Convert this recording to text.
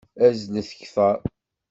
Azzlet kteṛ!